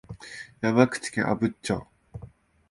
山口県阿武町